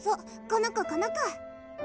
この子この子」。